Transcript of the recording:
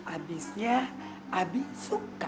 abisnya abi suka